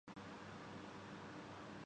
مجھے فلسفیانہ مباحث پسند نہیں ہیں